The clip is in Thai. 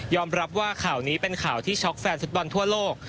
รับว่าข่าวนี้เป็นข่าวที่ช็อกแฟนฟุตบอลทั่วโลก